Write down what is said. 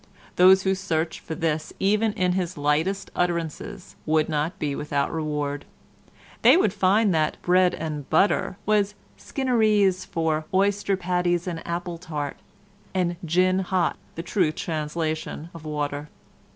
Those who searched for this even in his lightest utterances would not be without their reward. They would find that "bread and butter" was Skinnerese for oyster patties and apple tart, and "gin hot" the true translation of water.